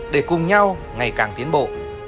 để cùng nhau ngày càng tiến bộ